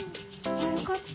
よかった。